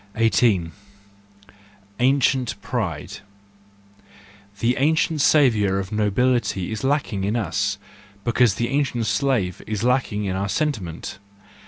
18. Ancient Pride .—The ancient savour of nobility is lacking in us, because the ancient slave is lacking in our sentiment.